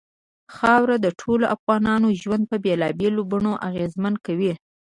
خاوره د ټولو افغانانو ژوند په بېلابېلو بڼو اغېزمن کوي.